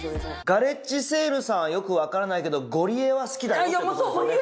ガレッジセールさんはよく分からないけどゴリエは好きだよってことですよね。